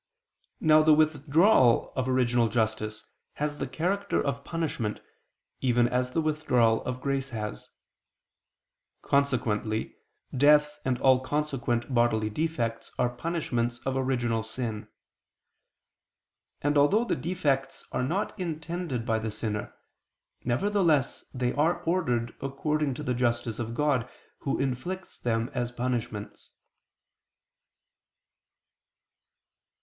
Now the withdrawal of original justice has the character of punishment, even as the withdrawal of grace has. Consequently, death and all consequent bodily defects are punishments of original sin. And although the defects are not intended by the sinner, nevertheless they are ordered according to the justice of God Who inflicts them as punishments.